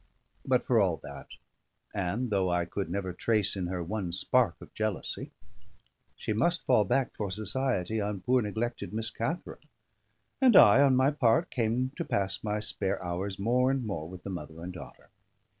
But, for all that, and though I could never trace in her one spark of jealousy, she must fall back for society on poor neglected Miss Katharine; and I, on my part, came to pass my spare hours more and more with the mother and daughter.